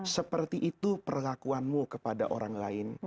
seperti itu perlakuanmu kepada orang lain